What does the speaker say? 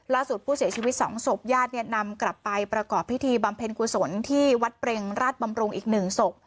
ล่าสุดผู้เสียชีวิตสองศพญาติเนี้ยนำกลับไปประกอบพิธีบำเพ็ญกุศลที่วัดเปรงราชบำโปรงอีกหนึ่งศพ